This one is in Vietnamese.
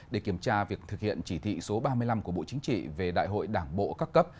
để kiểm tra việc thực hiện chỉ thị số ba mươi năm của bộ chính trị về đại hội đảng bộ các cấp